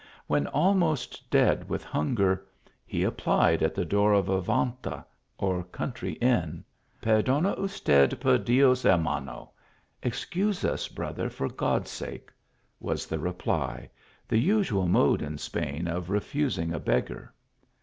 When almost dead with hunger, he ap plied at the door of a venta, or country inn. " Per dona usted per Dios hermano!" (excuse us, brother, for God s sake !) was the reply ; the usual mode in Spain of refusing a beggar.